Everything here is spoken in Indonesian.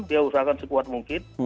dia usahakan sekuat mungkin